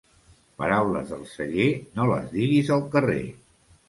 Paraules del celler no les diguis al carrer.